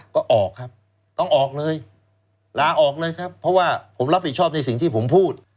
ก็ออกครับต้องออกเลยลาออกเลยครับเพราะว่าผมรับผิดชอบในสิ่งที่ผมพูด